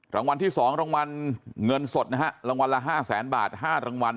รางวัลที่๒รางวัลเงินสดนะฮะรางวัลละ๕แสนบาท๕รางวัล